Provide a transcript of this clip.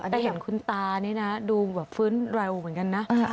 แต่เห็นคุณตานี่นะดูแบบฟื้นเร็วเหมือนกันนะ